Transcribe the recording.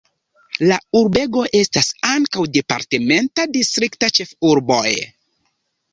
La urbego estas ankaŭ departementa distrikta ĉefurboj.